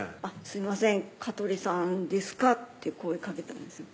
「すいません鹿取さんですか？」って声かけたんですよ